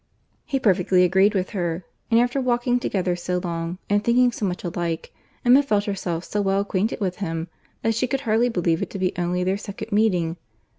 He perfectly agreed with her: and after walking together so long, and thinking so much alike, Emma felt herself so well acquainted with him, that she could hardly believe it to be only their second meeting.